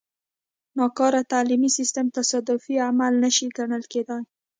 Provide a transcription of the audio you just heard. ناکاره تعلیمي سیستم تصادفي عمل نه شي ګڼل کېدای.